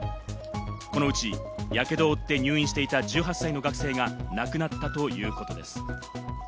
このうち、やけどを負って入院していた、１８歳の学生が亡くなったということです。